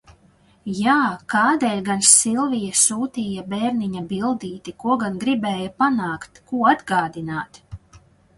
Jā, kādēļ gan Silvija sūtīja bērniņa bildīti, ko gan gribēja panākt, ko atgādināt?